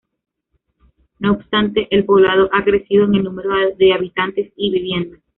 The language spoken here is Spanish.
No obstante, el poblado ha crecido en el número de habitantes y viviendas.